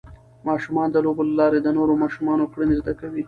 ماشومان د لوبو له لارې د نورو ماشومانو کړنې زده کوي.